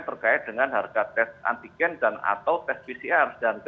terkait dengan harga tes antigen dan atau tes pcr